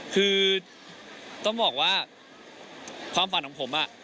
คือต้องบอกว่าความฝันของผม